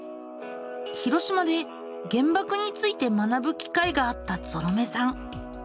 広島で原ばくについて学ぶ機会があったぞろめさん。